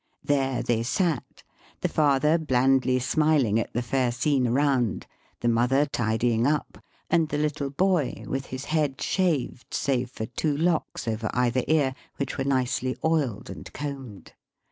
There they sat, the father blandly smiling at the fair scene around, the mother tidying up, and the little boy with his head shaved save for two locks over either ear, which were nicely oiled and combed.